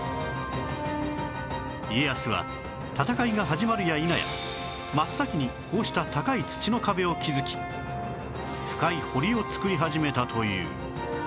家康は戦いが始まるやいなや真っ先にこうした高い土の壁を築き深い堀を造り始めたという